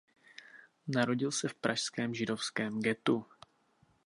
Narodil se v pražském židovském ghettu.